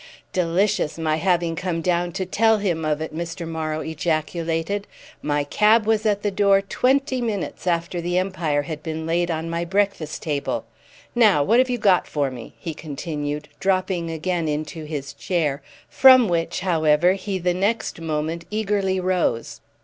"Delicious my having come down to tell him of it!" Mr. Morrow ejaculated. "My cab was at the door twenty minutes after The Empire had been laid on my breakfast table. Now what have you got for me?" he continued, dropping again into his chair, from which, however, he the next moment eagerly rose.